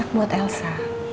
aku mau masak buat elsa